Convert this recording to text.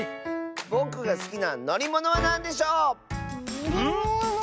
ぼくがすきなのりものはなんでしょう⁉のりもの？